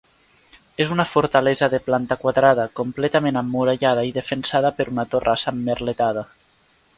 És una fortalesa de planta quadrada, completament emmurallada i defensada per una torrassa emmerletada.